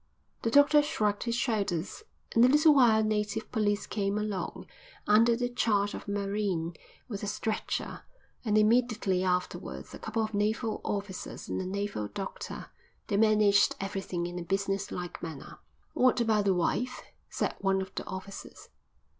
The doctor shrugged his shoulders. In a little while native police came along, under the charge of a marine, with a stretcher, and immediately afterwards a couple of naval officers and a naval doctor. They managed everything in a businesslike manner. "What about the wife?" said one of the officers.